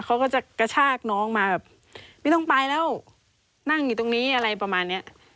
เขาก็จะกระชากน้องมาแบบไม่ต้องไปแล้วนั่งอยู่ตรงนี้อะไรประมาณเนี้ย